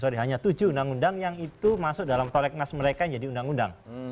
sorry hanya tujuh undang undang yang itu masuk dalam prolegnas mereka yang jadi undang undang